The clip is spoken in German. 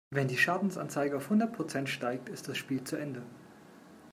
Wenn die Schadensanzeige auf hundert Prozent steigt, ist das Spiel zu Ende.